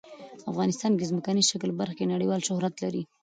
افغانستان د ځمکنی شکل په برخه کې نړیوال شهرت لري.